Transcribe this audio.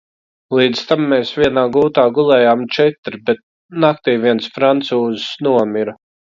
Līdz tam mēs vienā gultā gulējām četri, bet naktī viens francūzis nomira.